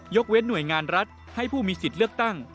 เว้นหน่วยงานรัฐให้ผู้มีสิทธิ์เลือกตั้ง